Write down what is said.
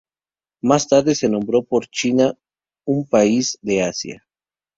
Más tarde se nombró por China, un país de Asia.